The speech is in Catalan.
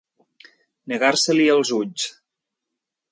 Negar-se-li els ulls.